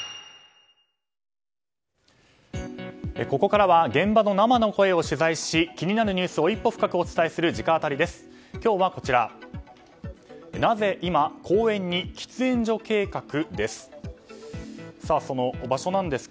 ここからは現場の生の声を取材し気になるニュースを一歩深くお伝えする直アタリです。